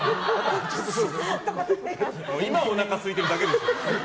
今、おなかすいてるだけでしょ。